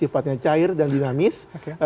sifatnya cair dan dinamis